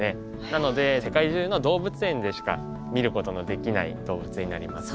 なので世界中の動物園でしか見ることのできない動物になります。